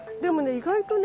意外とね